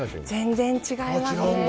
全然違いますね。